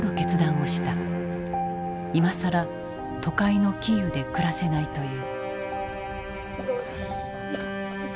今更都会のキーウで暮らせないと言う。